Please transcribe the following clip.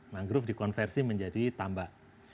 mangrove dikonversi menjadi tambah